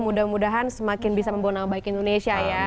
mudah mudahan semakin bisa membawa nama baik indonesia ya